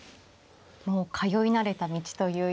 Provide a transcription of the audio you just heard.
もう通い慣れた道というような。